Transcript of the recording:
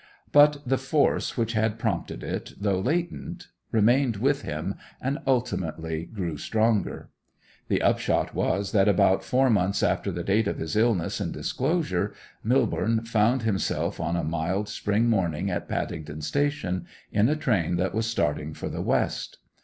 But the force which had prompted it, though latent, remained with him and ultimately grew stronger. The upshot was that about four months after the date of his illness and disclosure, Millborne found himself on a mild spring morning at Paddington Station, in a train that was starting for the west.